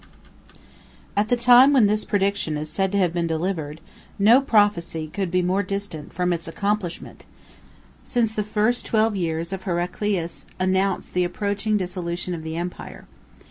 ] At the time when this prediction is said to have been delivered, no prophecy could be more distant from its accomplishment, since the first twelve years of Heraclius announced the approaching dissolution of the empire.